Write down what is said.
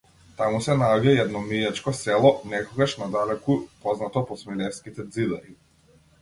Таму се наоѓа и едно мијачко село, некогаш надалеку познато по смилевските ѕидари.